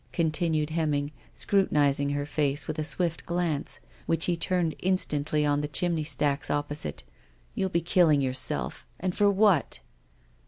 continued Hemming, scru tinising her face with a swift glance which he turned instantly on the chimney stacks oppo site, "you'll be killing yourself, and for what?"